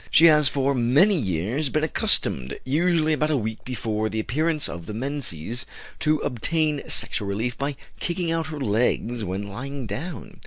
She has for many years been accustomed, usually about a week before the appearance of the menses, to obtain sexual relief by kicking out her legs when lying down.